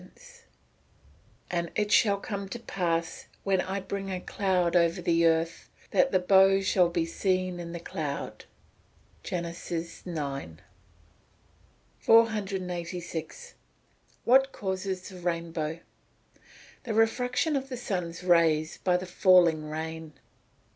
[Verse: "And it shall come to pass, when I bring a cloud over the earth, that the bow shall be seen in the cloud." GENESIS IX.] 486. What causes the rainbow? The refraction of the sun's rays by the falling rain.